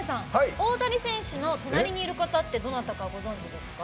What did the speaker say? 大谷選手の隣にいる方ってどなたかご存じですか？